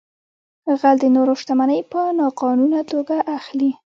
غل د نورو شتمنۍ په ناقانونه توګه اخلي